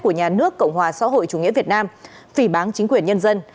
của nhà nước cộng hòa xã hội chủ nghĩa việt nam phỉ bán chính quyền nhân dân